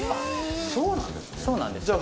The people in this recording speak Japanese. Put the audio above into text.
そうなんですね。